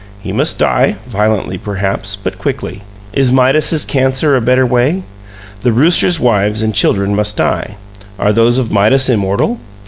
He must die, violently perhaps, but quickly. Is Midas's cancer a better way? The rooster's wives and children must die. Are those of Midas immortal?